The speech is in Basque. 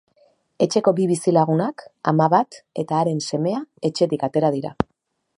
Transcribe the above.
Etxeko bi bizilagunak, ama bat eta haren semea, etxetik atera dira.